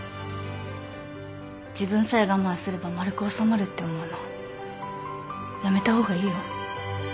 自分さえ我慢すれば丸く収まるって思うのやめた方がいいよ。